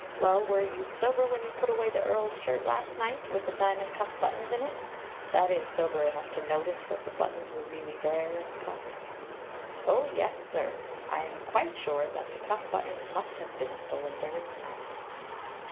"Well, were you sober when you put away the Earl's shirt last night, with the diamond cuff buttons in it, that is, sober enough to notice that the buttons were really there in the cuffs?" "Oh, yes, sir. I am quite sure that the cuff buttons must have been stolen during the night."